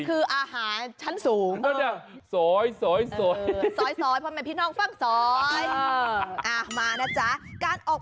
เออสุดยอดอ่ะสุดยอดจริง